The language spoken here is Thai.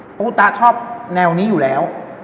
เพราะคุณตาชอบแนวนี้อยู่แล้ว